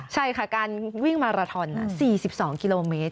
ใช่ค่ะการวิ่งมาราทอน๔๒กิโลเมตร